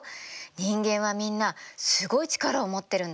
人間はみんなすごい力を持ってるんだから。